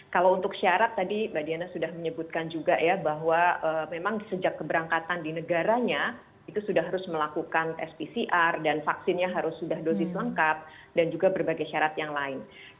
kalau untuk syarat tadi mbak diana sudah menyebutkan juga ya bahwa memang sejak keberangkatan di negaranya itu sudah harus melakukan tes pcr dan vaksinnya harus sudah dosis lengkap dan juga berbagai syarat yang lain